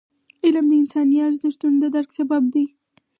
علم د انساني ارزښتونو د درک سبب دی.